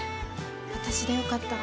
私でよかったら。